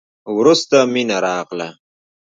وروسته مينه راغله.